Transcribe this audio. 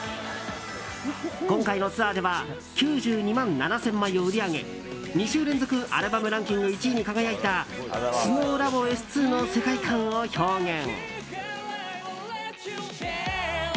今回のツアーでは９２万７０００枚を売り上げ２週連続アルバムランキング１位に輝いた「ＳｎｏｗＬａｂｏ．Ｓ２」の世界観を表現。